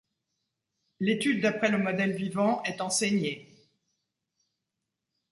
L'étude d'après le modèle vivant est enseignée.